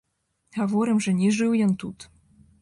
Гаворым жа, не жыў ён тут.